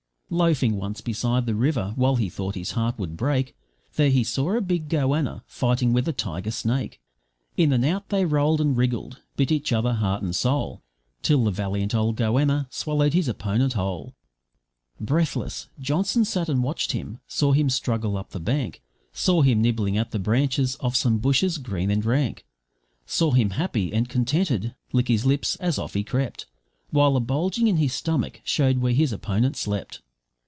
..... Loafing once beside the river, while he thought his heart would break, There he saw a big goanna fighting with a tiger snake, In and out they rolled and wriggled, bit each other, heart and soul, Till the valiant old goanna swallowed his opponent whole. Breathless, Johnson sat and watched him, saw him struggle up the bank, Saw him nibbling at the branches of some bushes, green and rank; Saw him, happy and contented, lick his lips, as off he crept, While the bulging in his stomach showed where his opponent slept.